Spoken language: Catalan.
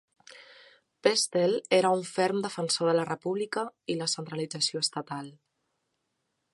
Pestel era un ferm defensor de la república i la centralització estatal.